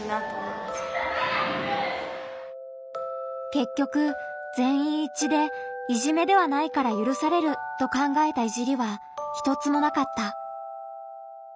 けっきょくぜんいん一致でいじめではないからゆるされると考えたいじりは一つもなかった。